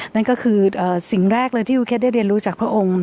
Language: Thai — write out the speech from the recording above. นั่นก็คือสิ่งแรกที่อุครกระทรยศได้เรียนรู้จากพระองค์